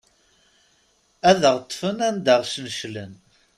Ad aɣ-ṭṭfen ad aɣ-cneclen.